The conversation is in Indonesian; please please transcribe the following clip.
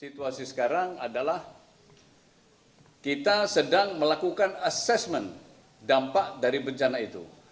situasi sekarang adalah kita sedang melakukan assessment dampak dari bencana itu